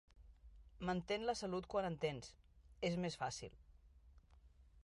Mantén la salut quan en tens, és més fàcil.